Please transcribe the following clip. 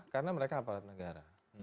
karena mereka aparat negara